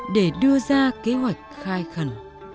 để đưa ra kế hoạch khai khẩn